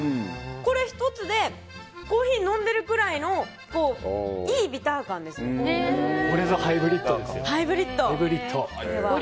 これ１つでコーヒー飲んでるくらいのこれぞハイブリッドですよ。